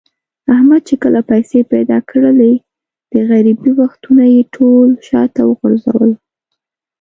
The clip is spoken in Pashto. احمد چې کله پیسې پیدا کړلې، د غریبۍ وختونه یې ټول شاته و غورځول.